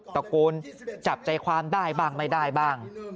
ตะโกนจับใจความได้บ้างไม่ได้บ้าง